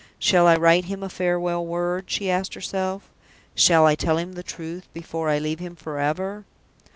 "Shall I write him a farewell word?" she asked herself. "Shall I tell him the truth before I leave him forever?"